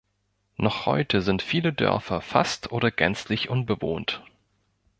Noch heute sind viele Dörfer fast oder gänzlich unbewohnt.